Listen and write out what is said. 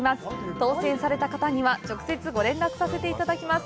当せんされた方には、直接、ご連絡させていただきます。